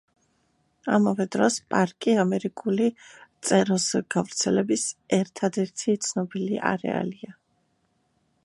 ამავე დროს, პარკი ამერიკული წეროს გავრცელების ერთადერთი ცნობილი არეალია.